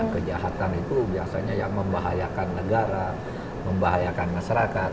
kejahatan itu biasanya yang membahayakan negara membahayakan masyarakat